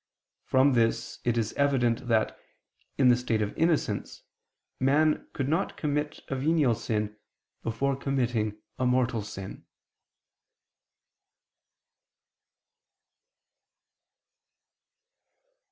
From this it is evident that, in the state of innocence, man could not commit a venial sin, before committing a mortal sin.